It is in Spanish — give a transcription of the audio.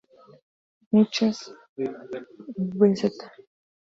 Muchas vz.